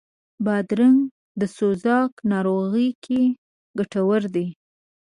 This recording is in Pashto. بادرنګ د سوزاک ناروغي کې ګټور دی.